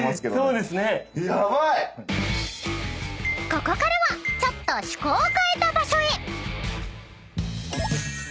［ここからはちょっと趣向を変えた場所へ］